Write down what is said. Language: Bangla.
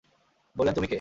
বললেন, তুমি কে?